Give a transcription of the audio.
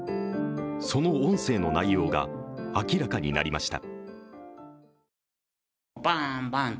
その音声の内容が明らかになりました。